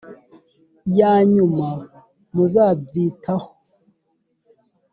ya nyuma muzabyitaho